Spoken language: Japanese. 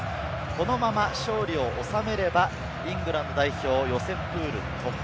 このまま勝利を収めればイングランド代表、予選プール突破。